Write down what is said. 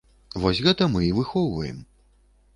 Вось гэта мы і выхоўваем.